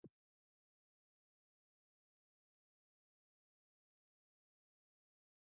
Preden se zavemo, kaj sploh življenje je, ga je že pol mimo.